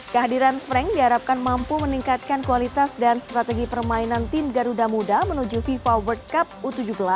kehadiran frank diharapkan mampu meningkatkan kualitas dan strategi permainan tim garuda muda menuju fifa world cup u tujuh belas